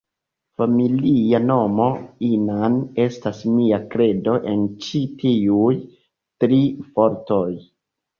Familia nomo Inan estas mia kredo en ĉi tiuj tri fortoj.